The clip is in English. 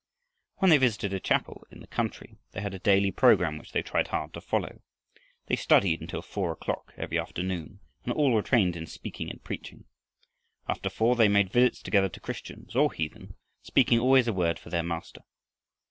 When they visited a chapel in the country, they had a daily program which they tried hard to follow. They studied until four o'clock every afternoon and all were trained in speaking and preaching. After four they made visits together to Christians or heathen, speaking always a word for their Master.